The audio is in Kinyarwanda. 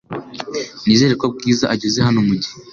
Nizere ko Bwiza ageze hano mugihe .